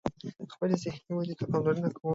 خپلی ذهنی ودي ته پاملرنه کوم